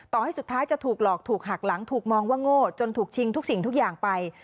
ต่อให้สุดท้ายจะถูกหลอกถูกหักหลังถูกมองว่าโง่จนถูกชิงทุกสิ่งทุกอย่างไป